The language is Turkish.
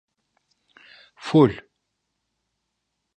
Ful.